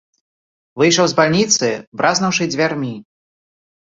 Выйшаў з бальніцы, бразнуўшы дзвярмі.